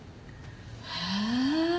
へえ